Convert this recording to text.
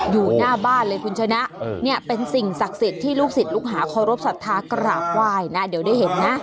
อยู่หน้าบ้านเลยคุณชนะเป็นสิ่งศักดิ์สิทธิ์ที่ลูกสิทธิ์ลูกหาโคลบสัตว์ธาตุกระหว่ายนะเดี๋ยวได้เห็นนะ